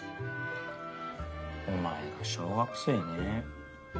お前が小学生ねえ。